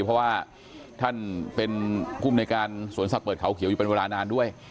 เพราะว่าท่านเป็นภูมิในการสวนสัตว์เปิดเขาเขียวอยู่เป็นเวลานานด้วย